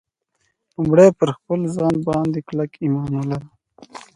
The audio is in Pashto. لومړی پر خپل ځان باندې کلک ایمان ولرئ